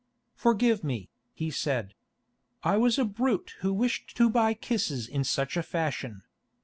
"Forgive me," he said. "I was a brute who wished to buy kisses in such a fashion.